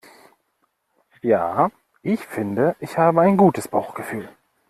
Ja, ich finde, ich habe ein gutes Bauchgefühl.